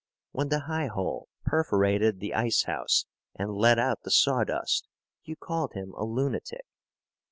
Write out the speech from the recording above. When the highhole perforated the icehouse and let out the sawdust, you called him a lunatic